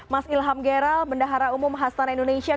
mas ilham geral bendahara umum hastana indonesia